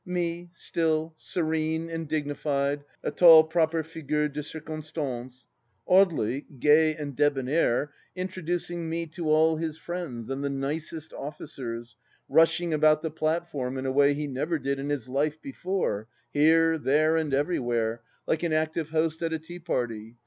Me, still, serene, and dignified, a tall, proper figure de cir Constance. Audely, gay and debonair, introducing me to all his friends and the nicest officers, rushing about the platform in a way he never did in his life before, here, there, and everywhere, like an active host at a tea party.